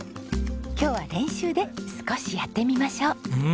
今日は練習で少しやってみましょう。